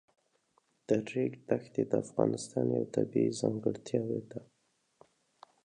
د ریګ دښتې د افغانستان یوه طبیعي ځانګړتیا ده.